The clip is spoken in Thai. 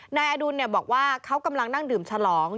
นายอดุลบอกว่าเขากำลังนั่งดื่มฉลอง